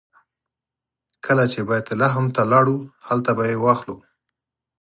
کله چې بیت لحم ته لاړو هلته به یې واخلو.